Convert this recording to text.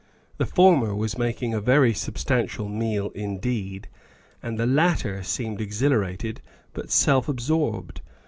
The former was making a very substantial meal indeed, and the latter seemed ex hilarated but self absorbed.